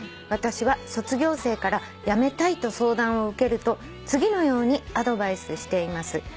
「私は卒業生から辞めたいと相談を受けると次のようにアドバイスしています」